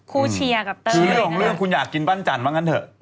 คือไม่ร่างเรื่องคุณอยากกินปั้นจั่นบางการเถอะ